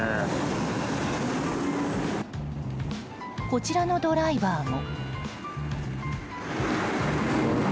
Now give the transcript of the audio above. こちらのドライバーも。